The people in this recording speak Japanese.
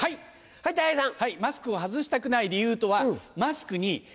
はいたい平さん。